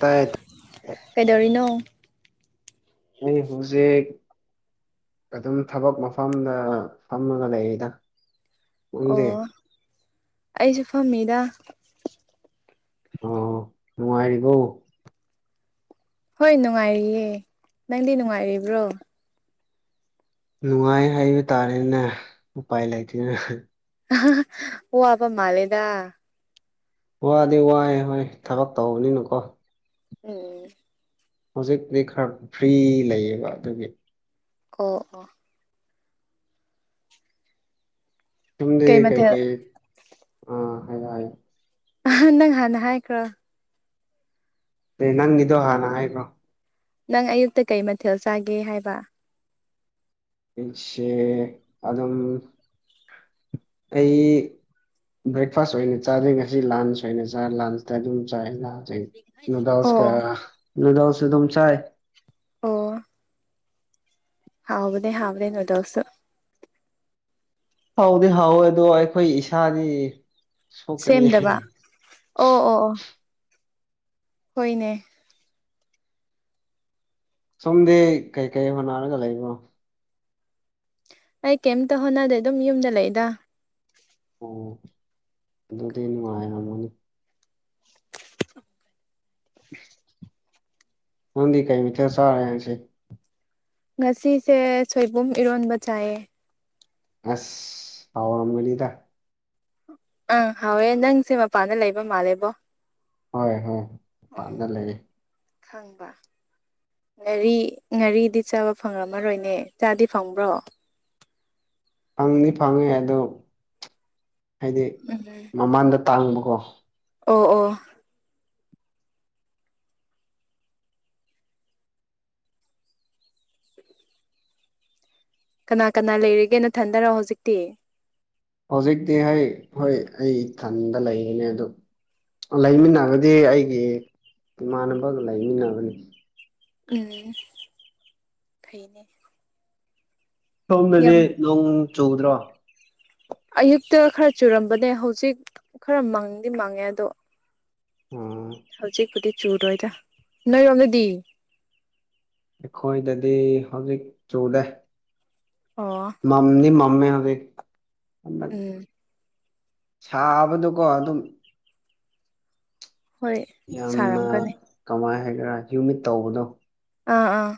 ꯇꯥꯏꯌꯦ ꯀꯩꯗꯧꯔꯤꯅꯣ ꯑꯩ ꯍꯧꯖꯤꯛ ꯑꯗꯨꯝ ꯊꯕꯛ ꯃꯐꯝꯗ ꯐꯝꯃꯒ ꯂꯩꯔꯤꯗ ꯅꯪꯗꯤ ꯑꯣ ꯑꯩꯁꯨ ꯐꯝꯃꯤꯗ ꯑꯣ ꯅꯨꯡꯉꯥꯏꯔꯤꯕꯣ ꯍꯣꯏ ꯅꯨꯡꯉꯥꯏꯔꯤꯌꯦ ꯅꯪꯗꯤ ꯅꯨꯡꯉꯥꯏꯔꯤꯕ꯭ꯔꯣ ꯅꯨꯡꯉꯥꯏ ꯍꯥꯏꯕ ꯇꯥꯔꯦꯅꯦ ꯎꯄꯥꯏ ꯂꯩꯇꯦꯅ ꯑꯣ ꯑ ꯋꯥꯕ ꯃꯥꯂꯦꯗ ꯋꯥꯗꯤ ꯋꯥꯏ ꯍꯣꯏ ꯊꯥꯕꯛ ꯇꯧꯕꯅꯤꯅꯀꯣ ꯎꯝ ꯍꯧꯖꯤꯛꯇꯤ ꯈꯔ ꯐ꯭ꯔꯤ ꯂꯩꯌꯦꯕ ꯑꯗꯨꯒꯤ ꯑꯣ ꯑꯣ ꯁꯨꯝꯗꯤ ꯀꯩ ꯃꯊꯦꯜ ꯀꯩꯒꯤꯩ ꯑ ꯍꯥꯏ ꯅꯪ ꯍꯥꯟꯅ ꯍꯥꯏꯈ꯭ꯔꯣ ꯑ ꯅꯪꯒꯤꯗꯣ ꯍꯥꯟꯅ ꯍꯥꯏꯕ꯭ꯔꯣ ꯅꯪ ꯑꯌꯨꯛꯇ ꯀꯩ ꯃꯊꯦꯜ ꯆꯥꯒꯦ ꯍꯥꯏꯕ ꯄꯦ ꯑꯗꯨ ꯑꯗꯨꯝ ꯑꯩ ꯕ꯭ꯔꯦꯛꯐꯥꯁ ꯑꯣꯏꯅ ꯆꯥꯗꯦ ꯉꯁꯤ ꯂꯥꯟꯁ ꯑꯣꯏꯅ ꯆꯥ ꯂꯥꯟꯁꯇ ꯑꯗꯨꯝ ꯆꯥꯏꯍ ꯗꯥꯎꯁ ꯑꯣ ꯀ ꯅꯗꯥꯎꯁꯁꯨ ꯇꯝ ꯆꯏ ꯍꯥꯎꯅꯦꯦ ꯍꯥꯎꯗꯦ ꯅꯣꯏꯗꯧꯁꯨ ꯍꯥꯎꯗꯤ ꯍꯧꯋꯦ ꯑꯗꯣ ꯑꯩꯈꯣꯏ ꯏꯁꯥꯗꯤ ꯁꯣꯛꯀꯅꯤ ꯁꯦꯝꯗꯕ ꯑꯣ ꯑꯣ ꯑꯣ ꯍꯣꯏꯅꯦ ꯁꯣꯝꯗꯤ ꯀꯩꯀꯩ ꯍꯣꯠꯅꯔꯒ ꯂꯩꯕꯅꯣ ꯑꯩ ꯀꯩꯝꯇ ꯍꯣꯠꯅꯗꯦ ꯑꯗꯨꯝ ꯌꯨꯝꯗ ꯂꯩꯗ ꯑꯣ ꯑꯗꯨ ꯇꯩꯅꯅꯨꯡꯉ ꯎ ꯅꯪꯗꯤ ꯀꯩ ꯃꯤꯊꯔ ꯆꯥꯔꯦ ꯍꯥꯏꯁꯤꯦ ꯉꯁꯤꯁꯦ ꯁꯣꯏꯕꯨꯝ ꯏꯔꯣꯟꯕ ꯆꯥꯏꯌꯦ ꯑꯁ ꯍꯥꯎꯔꯝꯒꯅꯤꯗ ꯑꯪ ꯍꯥꯎꯋꯦ ꯅꯪꯁꯦ ꯃꯄꯥꯟꯗ ꯂꯩꯕ ꯃꯥꯜꯂꯦꯕꯣ ꯍꯣꯏ ꯍꯣꯏ ꯎꯝ ꯄꯥꯖ ꯂꯩꯦ ꯈꯪꯕ ꯉꯥꯔꯤ ꯉꯥꯔꯤꯗꯤ ꯆꯥꯕ ꯐꯪꯉꯝꯃꯔꯣꯏꯅꯦ ꯆꯥꯗꯤ ꯐꯪꯕ꯭ꯔꯣ ꯐꯪꯅꯤ ꯐꯪꯉꯦ ꯑꯣ ꯍꯥꯏꯗꯤ ꯎꯝ ꯃꯃꯥꯡꯗ ꯇꯥꯡꯕꯀꯣ ꯑꯣ ꯑꯣ ꯀꯅꯥ ꯀꯅꯥ ꯂꯩꯔꯤꯒꯦꯅ ꯈꯟꯗꯔꯛꯑꯣ ꯍꯧꯖꯤꯛꯇꯤ ꯍꯧꯖꯤꯛꯇꯤ ꯍꯣꯏ ꯍꯣꯏ ꯑꯩ ꯏꯊꯟꯗ ꯂꯩꯔꯤꯅꯦ ꯑꯗꯨ ꯂꯩꯃꯤꯟꯅꯕꯗꯤ ꯑꯩꯒꯤ ꯏꯃꯥꯟꯅꯕꯒ ꯂꯩꯃꯤꯟꯅꯕꯅꯤ ꯎꯝ ꯐꯅꯦ ꯁꯣꯝꯗꯗꯤ ꯅꯣꯡ ꯆꯨꯗ꯭ꯔꯣ ꯑꯣ ꯑꯌꯨꯛꯇ ꯈꯔ ꯆꯨꯔꯝꯕꯅꯦ ꯍꯧꯖꯤꯛ ꯈꯔ ꯃꯪꯗꯤ ꯃꯥꯡꯉꯦ ꯑꯗꯣ ꯑꯥ ꯍꯧꯖꯤꯛ ꯈꯨꯗꯤ ꯆꯨꯔ ꯍꯣꯏ ꯇ ꯅꯣꯏꯔꯝꯗꯗꯤ ꯑꯩꯈꯣꯏꯗꯗꯤ ꯍꯧꯖꯤꯛ ꯆꯨꯔꯦ ꯑꯣ ꯃꯃꯤ ꯃꯃꯤꯕ ꯎꯝ ꯁꯥꯕꯗꯨꯀꯣ ꯑꯗꯨꯝ ꯍꯣꯏ ꯌꯥꯝꯅ ꯁꯥꯔꯝꯒꯅꯤ ꯀꯃꯥꯏ ꯍꯥꯏꯒꯦꯔꯥ ꯍ꯭ꯌꯨꯃꯤꯠ ꯇꯧꯕꯗꯣ ꯑꯥ ꯑꯥ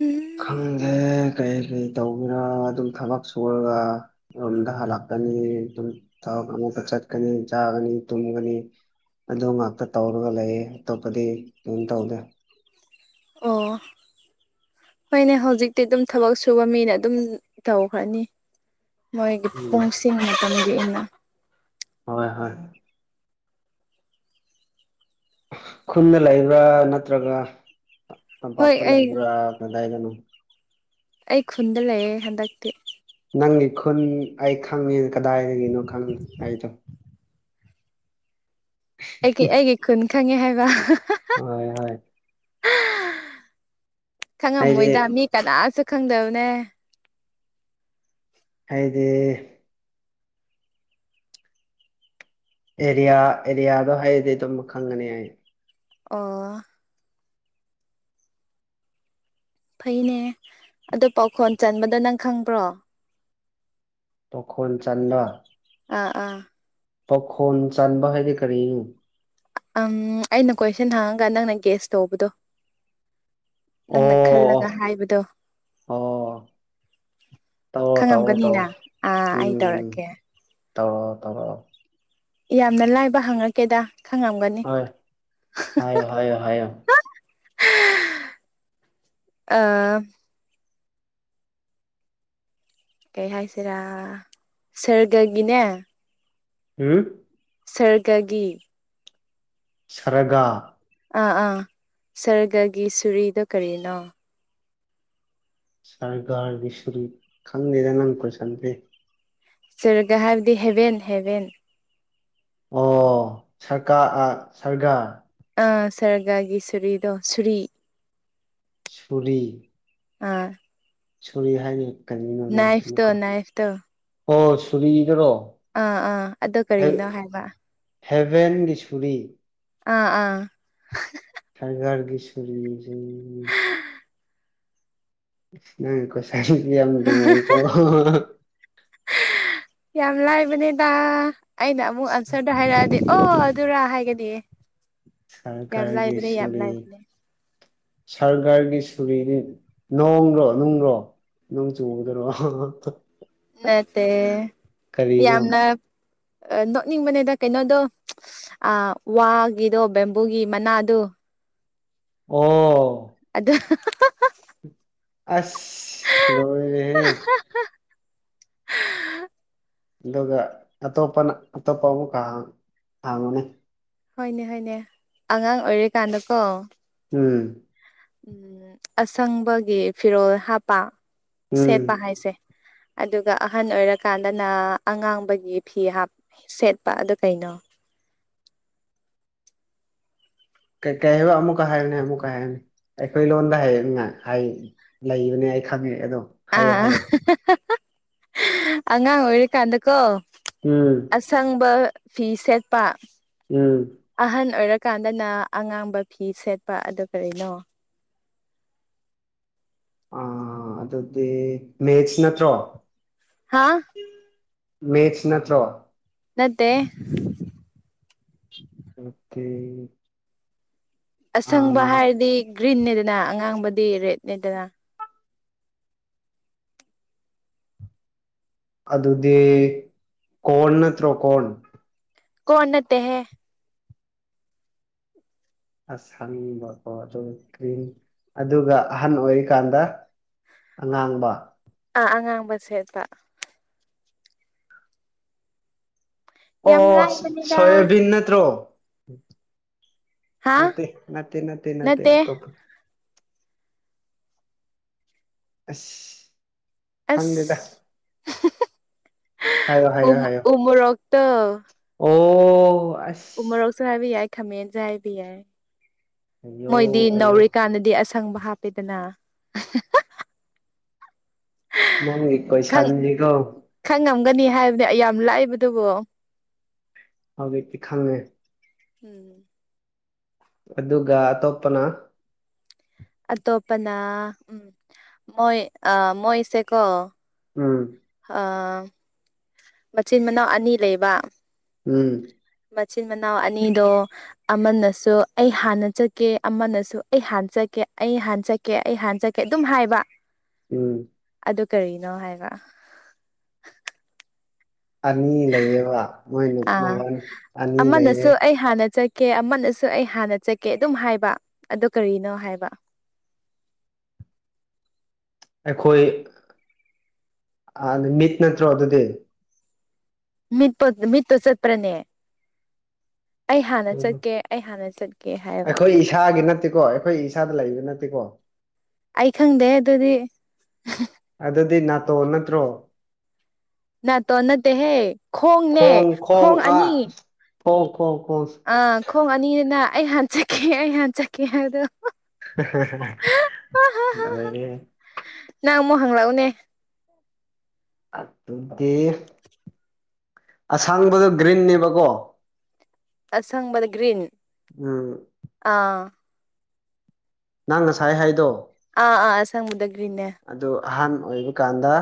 ꯎꯝ ꯈꯪꯗꯦ ꯀꯔꯤ ꯀꯔꯤ ꯇꯧꯕꯒꯔꯥ ꯑꯗꯨꯝ ꯊꯕꯛ ꯁꯨꯔꯒ ꯑꯗꯨ ꯂꯥꯛꯀꯅꯤ ꯊꯒꯅꯤ ꯆꯠꯀꯅꯤ ꯆꯥꯒꯅꯤ ꯇꯨꯝꯒꯅꯤ ꯑꯗꯨ ꯉꯥꯛꯇ ꯇꯧꯔꯒ ꯂꯩꯌꯦ ꯑꯇꯣꯞꯄꯗꯤ ꯀꯝ ꯇꯧꯗꯦ ꯑꯣ ꯍꯣꯏꯅꯦ ꯍꯧꯖꯤꯛꯇꯤ ꯑꯗꯨꯝ ꯊꯕꯛ ꯁꯨꯕ ꯃꯤꯅ ꯑꯗꯨꯝ ꯇꯧꯈ꯭ꯔꯅꯤ ꯃꯣꯏꯒꯤ ꯎꯝ ꯄꯨꯡꯁꯤꯡ ꯃꯄꯝꯒꯤꯅ ꯍꯣꯏ ꯍꯣꯏ ꯈꯨꯟꯗ ꯂꯩꯕ꯭ꯔꯥ ꯅꯠꯇ꯭ꯔꯒ ꯍꯣꯏ ꯇꯝꯄꯥꯛꯇ ꯑꯩ ꯂꯩꯕ꯭ꯔꯥ ꯀꯗꯥꯏꯗꯅꯣ ꯑꯩ ꯈꯨꯟꯗꯥ ꯂꯩꯌꯦ ꯍꯟꯗꯛꯇꯤ ꯅꯪꯒꯤ ꯈꯨꯟ ꯑꯩ ꯈꯪꯉꯦ ꯀꯗꯥꯏꯗꯥꯒꯤꯅꯣ ꯈꯪꯉꯦ ꯑꯩꯗꯣ ꯑꯩꯒꯤ ꯑꯩꯒꯤ ꯈꯨꯟ ꯈꯪꯉꯦ ꯍꯥꯏꯕ ꯍꯣꯏ ꯍꯣꯏ ꯍꯥꯏꯗꯤ ꯈꯪꯉꯝꯃꯣꯏꯗꯥ ꯃꯤ ꯀꯅꯥꯁꯨ ꯈꯪꯗꯕꯅꯦ ꯍꯥꯏꯗꯤ ꯑꯦꯔꯤꯌꯥ ꯑꯦꯔꯤꯌꯥꯗꯣ ꯍꯥꯏꯔꯗꯤ ꯑꯗꯨꯝ ꯈꯪꯒꯅꯤ ꯑꯩ ꯑꯣ ꯐꯩꯅꯦ ꯑꯗꯣ ꯄꯥꯎꯈꯣꯟ ꯆꯟꯕꯗꯣ ꯅꯪ ꯈꯪꯕ꯭ꯔꯣ ꯄꯥꯎꯈꯣꯟ ꯆꯟꯕ ꯑꯥ ꯑꯥ ꯄꯥꯈꯣꯟ ꯆꯥꯟꯕ ꯍꯥꯏꯗꯤ ꯀꯔꯤꯅꯣ ꯪ ꯑꯩꯅ ꯀꯣꯏꯁꯟ ꯍꯪꯉꯒꯥ ꯅꯪꯅ ꯒ꯭ꯦꯁ ꯇꯧꯕꯗꯣ ꯑꯣ ꯅꯪꯅ ꯈꯜꯂꯒꯥ ꯑꯣ ꯍꯥꯏꯕꯗꯣ ꯇꯧꯑꯣ ꯇꯧꯑꯣ ꯈꯪꯉꯝꯒꯅꯤꯅ ꯇꯧꯑꯣ ꯑꯥ ꯑꯩ ꯎꯝ ꯇꯧꯔꯛꯀꯦ ꯇꯧꯔꯛꯑꯣ ꯇꯧꯔꯛꯑꯣ ꯌꯥꯝꯅ ꯂꯥꯏꯕ ꯍꯪꯉꯛꯀꯦꯗꯥ ꯈꯪꯉꯝꯒꯥꯅꯤ ꯍꯣꯏ ꯍꯥꯏꯌꯣ ꯍꯥꯏꯌꯣ ꯍꯥꯏꯌꯣ ꯑꯥ ꯀꯩ ꯍꯥꯏꯁꯤꯔꯥ ꯁꯔꯒꯥꯒꯤꯅꯦ ꯎꯝ ꯁꯔꯒꯥꯒꯤ ꯁꯔꯥꯒꯥ ꯑꯥ ꯑꯥ ꯁꯔꯒꯥꯒꯤ ꯁꯨꯔꯤꯗꯣ ꯀꯔꯤꯅꯣ ꯁꯥꯔꯒꯔꯒꯤ ꯁꯨꯔꯤ ꯈꯪꯗꯦꯗꯥ ꯅꯪꯒꯤ ꯀꯣꯏꯁꯥꯟꯁꯦ ꯁꯔꯒꯥ ꯍꯥꯏꯕꯗꯤ ꯍꯦꯕꯦꯟ ꯍꯦꯕꯦꯟ ꯑꯣ ꯁꯔꯀꯥꯔ ꯑꯥ ꯁꯔꯒꯥ ꯑꯥ ꯁꯔꯒꯥꯒꯤ ꯁꯨꯔꯤꯗꯣ ꯁꯨꯔꯤ ꯁꯨꯔꯤ ꯑꯥ ꯁꯨꯔꯤ ꯍꯥꯏꯅꯤ ꯅꯥꯏꯐꯇꯣ ꯅꯥꯏꯐꯇꯣ ꯑꯣ ꯁꯨꯔꯤꯗꯨꯔꯣ ꯑꯥ ꯑꯥ ꯑꯗꯨ ꯀꯔꯤꯅꯣ ꯍꯥꯏꯕ ꯍꯦꯕꯦꯟꯒꯤ ꯁꯨꯔꯤ ꯑꯥ ꯑꯥ ꯍꯦꯕꯦꯟꯒꯤ ꯁꯨꯔꯤꯖꯤ ꯅꯪ ꯀꯣꯏꯁꯟꯖꯦ ꯌꯥꯝ ꯂꯨꯏꯀꯣ ꯌꯥꯝ ꯂꯥꯏꯕꯅꯦꯗꯥ ꯑꯩꯅ ꯑꯃꯨꯛ ꯑꯟꯁꯔꯗꯣ ꯍꯥꯏꯔꯛꯑꯗꯤ ꯑꯣ ꯑꯗꯨꯔꯥ ꯍꯥꯏꯒꯥꯅꯤꯌꯦ ꯌꯥꯝ ꯁꯔꯀꯥꯔꯒꯤ ꯂꯥꯏꯕꯅꯦ ꯌꯥꯝ ꯂꯥꯏꯕꯅꯦ ꯁꯥꯔꯒꯔꯒꯤ ꯁꯨꯔꯤꯗꯤ ꯅꯣꯡꯔꯣ ꯅꯨꯡꯂꯣ ꯅꯣꯡ ꯆꯨꯕꯗꯨꯔꯣ ꯅꯠꯇꯦ ꯌꯥꯝꯅ ꯅꯣꯛꯅꯤꯡꯕꯅꯦꯗꯥ ꯀꯩꯅꯣꯗꯣ ꯑꯥ ꯋꯥꯒꯤꯗꯣ ꯕꯦꯝꯕꯨꯒꯤ ꯃꯅꯥꯗꯣ ꯑꯣ ꯑꯗꯨ ꯑꯁ ꯂꯣꯏꯔꯦꯍꯦ ꯍꯥ ꯑꯗꯨꯒꯥ ꯑꯇꯣꯞꯄꯅ ꯑꯇꯣꯞꯄ ꯑꯃꯨꯛꯀꯥ ꯍꯥꯡ ꯍꯥꯡꯉꯣꯅꯦ ꯍꯣꯏꯅꯦ ꯍꯣꯏꯅꯦ ꯑꯉꯥꯡ ꯑꯣꯏꯔꯤꯀꯥꯟꯗꯥꯀꯣ ꯎꯝ [unintelligible] [inaudible] ꯎꯝ ꯑꯁꯪꯕꯒꯤ ꯐꯤꯔꯣꯜ ꯍꯥꯞꯄ ꯁꯦꯠꯄ ꯎꯝ ꯍꯥꯏꯁꯦ ꯑꯗꯨꯒ ꯑꯍꯟ ꯑꯣꯏꯔꯀꯥꯟꯗꯅ ꯑꯉꯥꯡꯕꯒꯤ ꯐꯤ ꯍꯥꯞ ꯁꯦꯠꯄ ꯑꯗꯣ ꯀꯩꯅꯣ ꯀ ꯀꯩ ꯍꯥꯏꯣ ꯑꯃꯨꯛꯀ ꯍꯥꯏꯌꯨꯅꯦ ꯑꯃꯨꯛꯀ ꯍꯥꯏꯌꯨꯅꯦ ꯑꯩꯈꯣꯏ ꯂꯣꯟꯗ ꯍꯥꯏ ꯍꯥꯏ ꯂꯩꯕꯅꯦ ꯑꯩ ꯈꯪꯉꯦ ꯑꯗꯣ ꯍꯥꯏꯌꯣ ꯑꯥ ꯍꯥꯏꯌꯣ ꯑꯉꯥꯡ ꯑꯣꯏꯔꯤꯀꯥꯟꯗꯀꯣ ꯎꯝ [unintelligible] [inaudible] ꯑꯁꯪꯕ ꯐꯤ ꯁꯦꯠꯄ ꯎꯝ [unintelligible] [inaudible] ꯑꯍꯟ ꯑꯣꯏꯔꯀꯥꯟꯗꯅ ꯑꯉꯥꯡꯕ ꯐꯤ ꯁꯦꯠꯄ ꯑꯗꯨ ꯀꯔꯤꯅꯣ ꯑ ꯑꯗꯨꯗꯤ ꯃꯦꯁ ꯅꯠꯇ꯭ꯔꯣ ꯍꯥꯥ [unintelligible] [inaudible] ꯃꯦꯆ ꯅꯠꯇ꯭ꯔꯣ ꯅꯠꯇꯦ [unintelligible] [inaudible] ꯑꯣꯀꯦ [unintelligible] [inaudible] ꯑꯁꯪꯕ ꯑꯥ ꯍꯥꯏꯔꯗꯤ ꯒ꯭ꯔꯤꯟꯅꯦꯗꯅ ꯑꯉꯥꯡꯕꯗꯤ ꯔꯦꯗꯅꯦꯗꯅ ꯑꯗꯨꯗꯤ ꯀꯣꯔꯟ ꯅꯠꯇ꯭ꯔꯣ ꯀꯣꯔꯟ ꯀꯣꯟꯅ ꯅꯠꯇ ꯍꯦ ꯑꯁ ꯍꯪꯅꯤꯡꯕꯀꯣ ꯑꯗꯨ ꯀ꯭ꯔꯤꯟ ꯑꯗꯨꯒ ꯑꯍꯟ ꯑꯣꯏꯔꯤꯀꯥꯟꯗ ꯑꯉꯥꯡꯕ ꯑꯥ ꯑꯉꯥꯡꯕ ꯁꯦꯠꯇ ꯌꯥꯝ ꯑꯣ ꯂꯥꯏꯕꯅꯤꯗ ꯁꯣꯣꯌꯕꯤꯤꯟ ꯅꯠꯇ꯭ꯔꯣ [inaudible] [unintelligible] ꯍꯥ ꯅ ꯅ ꯅ ꯅ ꯅꯠꯇꯦ ꯑꯇꯣꯄ [unintelligible] [inaudible] ꯑꯁ [unintelligible] [inaudible] ꯑꯁ ꯈꯪꯗꯦꯗ [unintelligible] [inaudible] ꯍꯥꯏꯌꯣ ꯎ ꯍꯥꯏꯌꯣ ꯍꯥꯏꯌꯣ ꯎꯃꯣꯔꯣꯛꯇꯣ ꯑꯣ ꯑꯁ ꯎꯃꯣꯔꯣꯛꯁꯨ ꯍꯥꯏꯕ ꯌꯥꯏ ꯈꯥꯃꯦꯟꯁꯨꯦ ꯍꯥꯏꯕ ꯌꯥꯏ ꯑꯌꯣ ꯃꯣꯏꯗꯤ ꯑꯌꯣ ꯅꯧꯔꯤꯀꯥꯟꯗꯗꯤ ꯑꯁ ꯁꯪꯕ ꯍꯥꯞꯄꯦꯗꯅ ꯅ ꯀꯣꯏ ꯁꯅꯤ ꯀꯣ [unintelligible] [inaudible] ꯈꯪ ꯉꯝꯒꯅꯤ ꯍꯥꯏꯕꯅꯦ ꯑꯩ ꯌꯥꯝ ꯂꯥꯛꯏꯕꯗꯨꯕꯣ ꯍꯧꯖꯤꯛꯇꯤ ꯈꯪꯉꯦ ꯍꯝ [unintelligible] [inaudible] ꯑꯗꯨꯒ ꯑꯇꯣꯞꯄꯅ ꯑꯇꯣꯞꯄꯅ ꯎꯝ ꯃꯣꯏ ꯑ ꯃꯣꯏꯁꯦꯀꯣ ꯎꯝ [unintelligible] [inaudible] ꯑꯥ [unintelligible] [inaudible] ꯃꯆꯤꯟ ꯃꯅꯥꯎ ꯑꯅꯤ ꯂꯩꯕ ꯎꯝ [unintelligible] [inaudible] ꯃꯆꯤꯟ ꯃꯅꯥꯅꯤꯗ ꯑꯃꯅꯁꯨ ꯑꯩ ꯍꯥꯟꯅ ꯆꯠꯀꯦ ꯑꯃꯅꯁꯨ ꯑꯩ ꯍꯥꯟꯅ ꯆꯠꯀꯦ ꯑꯩ ꯍꯥꯟꯅ ꯆꯠꯀꯦ ꯑꯣꯀꯦ ꯑꯩ ꯍꯥꯟꯖꯒꯦ ꯑꯗꯨꯝ ꯍꯥꯏꯕ ꯎꯝ [unintelligible] [inaudible] ꯑꯗꯨ ꯀꯔꯤꯅꯣ ꯍꯥꯏꯕ ꯑꯅꯤ ꯂꯩꯌꯦꯕ ꯃꯣꯏꯅ ꯑꯥ ꯃꯃꯜ ꯑꯅꯤ ꯂꯩꯌꯦ ꯑꯃꯅꯁꯨ ꯑꯩ ꯍꯥꯟꯅ ꯆꯠꯀꯦ ꯑꯃꯅꯁꯨ ꯑꯩ ꯍꯥꯟꯅ ꯆꯠꯀꯦ ꯑꯗꯨꯝ ꯍꯥꯏꯕ ꯑꯗꯨ ꯀꯔꯤꯅꯣ ꯍꯥꯏꯕ ꯑꯩꯈꯣꯏ ꯑ ꯃꯤꯠ ꯅꯠꯇ꯭ꯔꯣ ꯑꯗꯨꯗꯤ ꯃꯤꯠꯄ ꯃꯤꯠꯇꯣ ꯆꯠꯄ꯭ꯔꯅꯦ ꯑꯩ ꯍꯥꯟꯅ ꯆꯠꯀꯦ ꯑꯩ ꯍꯥꯟꯅ ꯆꯠꯀꯦ ꯍꯥꯏꯑꯕ ꯑꯩꯈꯣꯏ ꯏꯁꯥꯒꯤ ꯅꯠꯇꯦꯀꯣ ꯑꯩꯈꯣꯏ ꯏꯁꯥꯗ ꯂꯩꯕ ꯅꯠꯇꯦꯀꯣ ꯑꯩ ꯈꯪꯗꯦ ꯑꯗꯨꯗꯤ ꯑꯗꯨꯗꯤ ꯅꯥꯇꯣꯟ ꯅꯠꯇ꯭ꯔꯣ ꯅꯅꯥꯇꯣꯟ ꯅꯠꯇꯦ ꯍꯦ ꯈꯣꯡꯅꯦ ꯈꯣꯡ ꯑꯅꯤ ꯈꯣꯡ ꯈꯣꯡ ꯈꯣꯡ ꯑꯥ ꯈꯣꯡ ꯑꯅꯤꯅꯤꯅ ꯑꯩ ꯍꯥꯟ ꯆꯠꯀꯦ ꯑꯩ ꯍꯥꯟ ꯆꯠꯀꯦ ꯍꯥꯏꯗꯣ [unintelligible] ꯂꯣꯏꯔꯦꯍꯦ ꯅꯪ ꯑꯃꯨꯛ ꯍꯪ ꯂꯥꯛꯎꯅꯦ ꯑꯗꯨꯗꯤ ꯑꯁꯥꯡꯕꯗꯣ ꯒ꯭ꯔꯤꯟꯅꯦꯕꯀꯣ ꯑꯁꯪꯕꯗ ꯒ꯭ꯔꯤꯟ ꯎꯝ ꯑꯥ ꯅꯪ ꯉꯁꯥꯏ ꯍꯥꯏꯗꯣ ꯑꯥ ꯑꯥ ꯑꯁꯪꯕꯗ ꯒ꯭ꯔꯤꯅꯦ ꯑꯗꯨ ꯑꯍꯥꯟ ꯑꯣꯏꯕ ꯀꯥꯟꯗ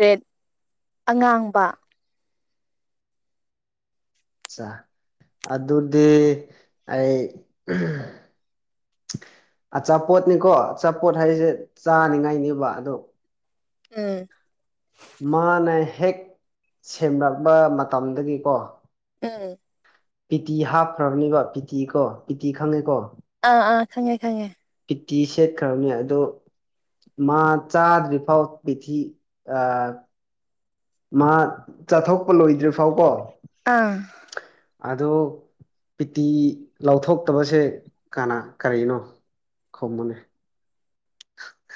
ꯔꯦꯠ ꯑꯉꯥꯡꯕ ꯆꯥ ꯑꯗꯨꯗꯤ ꯑꯩ ꯑꯆꯥꯄꯣꯠꯅꯤꯀꯣ ꯑꯆꯥꯄꯣꯠ ꯍꯥꯏꯁꯦ ꯆꯥꯅꯤꯡꯉꯥꯏꯅꯦꯕ ꯑꯗꯣ ꯎꯝ ꯃꯥꯅ ꯍꯦꯛ ꯁꯦꯝꯂꯛꯄ ꯃꯇꯝꯗꯒꯤꯀꯣ ꯎꯝ ꯄꯤꯇꯤ ꯍꯥꯞꯈ꯭ꯔꯕꯅꯦꯕ ꯄꯤꯇꯤ ꯀꯣ ꯄꯤꯇꯤ ꯈꯪꯉꯦꯀꯣ ꯑꯥ ꯑꯥ ꯈꯪꯉꯦ ꯈꯪꯉꯦ ꯄꯤꯠꯇꯤ ꯁꯦꯠꯈ꯭ꯔꯕꯅꯦ ꯑꯗꯣ ꯃꯥ ꯆꯥꯗ꯭ꯔꯤ ꯐꯥꯎ ꯄꯤꯊꯤ ꯑ ꯃꯥ ꯆꯠꯊꯣꯛꯄ ꯂꯣꯏꯗ꯭ꯔꯤ ꯐꯥꯎꯀꯣ ꯑꯥ ꯑꯗꯣ ꯄꯤꯇꯤ ꯂꯧꯊꯣꯛꯇꯕꯁꯦ ꯀꯅꯥ ꯀꯔꯤꯅꯣ ꯈꯨꯝꯃꯣꯅꯦ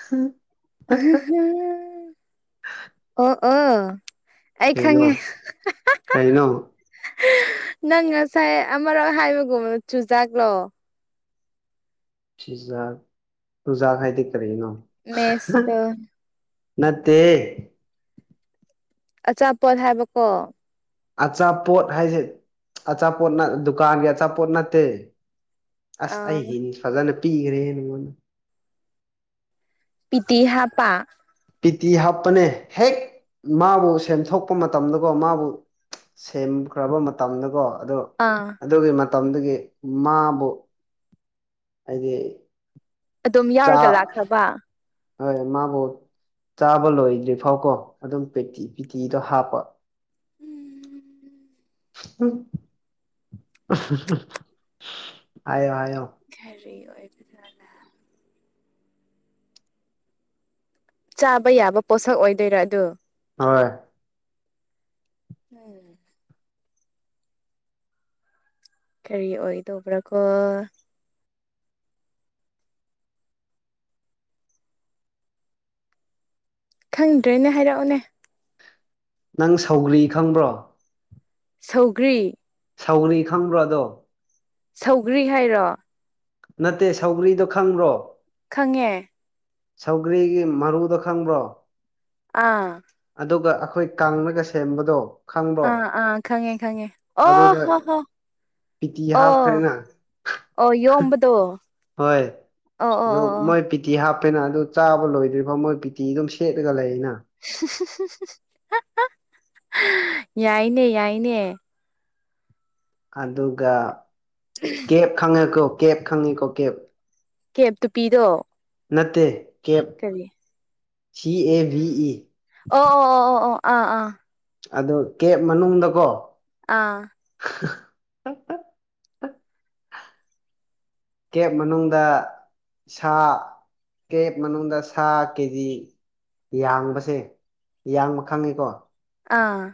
[unintelligible] ꯑꯣ ꯑꯩ ꯀꯩꯅꯣ ꯈꯪꯉꯦ ꯍꯥ ꯍꯥ ꯀꯩꯅꯣ ꯅꯪ ꯉꯁꯥꯏ ꯑꯃꯔꯛ ꯍꯥꯏꯕꯒꯨꯝꯕ ꯆꯨꯖꯥꯛꯂꯣ ꯆꯤꯖꯥꯛ ꯆꯨꯖꯥꯛ ꯍꯥꯏꯗꯤ ꯀꯔꯤꯅꯣ ꯃꯦꯁꯇ ꯅꯠꯇꯦꯌꯦ ꯑꯆꯥꯄꯣꯠ ꯍꯥꯏꯕꯀꯣ ꯑꯆꯥꯄꯣꯠ ꯍꯥꯏꯁꯦ ꯑꯆꯥꯄꯣꯠꯅ ꯗꯨꯀꯥꯟꯒꯤ ꯑꯆꯥꯄꯣꯠ ꯅꯠꯇꯦ ꯑꯁ ꯑ ꯑꯩ ꯍꯤꯟꯁ ꯐꯖꯅ ꯄꯤꯒꯔꯦ ꯅꯉꯣꯟꯗ ꯄꯤꯇꯤ ꯍꯞꯄꯥ ꯄꯤ ꯇꯤ ꯍꯥꯞꯄꯅꯦ ꯍꯦꯛ ꯃꯥꯕꯨ ꯁꯦꯟꯗꯣꯛꯄ ꯃꯇꯝꯗꯀꯣ ꯃꯥꯕꯨ ꯁꯦꯝꯈ꯭ꯔꯕ ꯃꯇꯝꯗꯀꯣ ꯑꯗꯣ ꯑꯥ ꯑꯗꯨꯒꯤ ꯃꯇꯝꯗꯒꯤ ꯃꯥꯕꯨ ꯍꯥꯏꯗꯤ ꯑꯗꯨꯝ ꯆꯥ ꯌꯥꯎꯔꯒ ꯂꯥꯛꯈ꯭ꯔꯕ ꯍꯣꯏ ꯃꯥꯕꯨ ꯆꯥꯕ ꯂꯣꯏꯗ꯭ꯔꯤ ꯐꯥꯎꯀꯣ ꯑꯗꯨꯝ ꯄꯦꯇꯤ ꯄꯤꯇꯤꯗꯣ ꯍꯥꯞꯄ ꯎꯝ ꯍꯥꯏꯑꯣ ꯍꯥꯏꯑꯣ ꯀꯔꯤ ꯑꯣꯏꯕꯗꯅ ꯆꯥꯕ ꯌꯥꯕ ꯄꯣꯠꯁꯛ ꯑꯣꯏꯗꯣꯏꯔꯥ ꯑꯗꯨꯗꯣ ꯍꯣꯏ ꯎꯝ ꯀꯔꯤ ꯑꯣꯏꯗꯧꯕ꯭ꯔꯥ ꯀꯣ ꯈꯪꯗ꯭ꯔꯦꯅꯦ ꯍꯥꯏꯔꯛꯎꯅꯦ ꯅꯪ ꯁꯧꯒ꯭ꯔꯤ ꯈꯪꯕ꯭ꯔꯣ ꯁꯧꯒ꯭ꯔꯤ ꯁꯧꯒꯔꯤ ꯈꯪꯕ꯭ꯔꯣ ꯑꯗꯣ ꯁꯧꯒ꯭ꯔꯤ ꯍꯥꯏꯔꯣ ꯅꯠꯇꯦ ꯁꯒ꯭ꯔꯤꯗꯣ ꯈꯪꯕ꯭ꯔꯣ ꯈꯪꯉꯦ ꯁꯧꯒ꯭ꯔꯤꯒꯤ ꯃꯔꯨꯗꯣ ꯈꯪꯕ꯭ꯔꯣ ꯑꯥ ꯑꯗꯨꯒ ꯑꯩꯈꯣꯏ ꯀꯥꯡꯂꯒ ꯁꯦꯝꯕꯗꯣ ꯈꯪꯕ꯭ꯔꯣ ꯑꯥ ꯑꯥ ꯈꯪꯉꯦ ꯈꯉꯦ ꯑꯣ ꯑꯗꯨꯗ ꯍꯣ ꯍꯣ ꯄꯤꯇꯤ ꯑꯣ ꯍꯥꯞꯈ꯭ꯔꯦꯅ ꯑꯣ ꯌꯣꯝꯕꯗꯣ ꯍꯣꯏ ꯑꯣ ꯑꯣ ꯑꯗꯨ ꯑꯣ ꯑꯣ ꯃꯣꯏ ꯄꯤꯇꯤ ꯍꯥꯞꯄꯦꯅ ꯑꯗꯨ ꯆꯥꯕ ꯂꯣꯏꯗ꯭ꯔꯤꯕꯥꯎ ꯃꯣꯏ ꯄꯤꯇꯤ ꯑꯗꯨꯝ ꯁꯦꯠꯂꯒ ꯂꯩꯌꯦꯅ ꯌꯥꯏꯅꯦ ꯌꯥꯏꯅꯦ ꯑꯗꯨꯒ ꯀꯦꯞ ꯈꯪꯉꯦꯀꯣ ꯀꯦꯞ ꯈꯪꯉꯤꯀꯣ ꯀꯦꯞ ꯀꯦꯞꯇꯨ ꯄꯤꯗꯣ ꯅꯠꯇꯦ ꯀꯦꯞ ꯁꯤ ꯑꯦ ꯚꯤ ꯏ ꯑꯣ ꯑꯣ ꯑꯣ ꯑꯣ ꯑꯣ ꯑꯥ ꯑꯥ ꯑꯗꯣ ꯀꯦꯕ ꯃꯅꯨꯡꯗꯀꯣ ꯑꯥ [unintelligible] ꯀꯦꯞ ꯃꯅꯨꯡꯗ ꯁꯥ ꯀꯦꯞ ꯃꯅꯨꯡꯗ ꯁꯥ ꯀꯦꯖꯤ ꯌꯥꯡꯕꯁꯦ ꯌꯥꯡꯕ ꯈꯪꯉꯤꯀꯣ ꯑꯥ